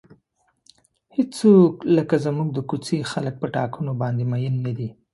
هیڅوک لکه زموږ د کوڅې خلک په ټاکنو باندې مین نه دي.